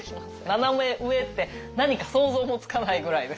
ナナメ上って何か想像もつかないぐらいです。